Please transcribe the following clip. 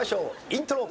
イントロ。